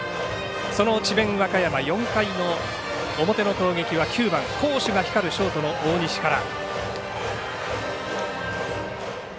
その智弁和歌山、４回の表の攻撃は９番好守が光るショートの大西から。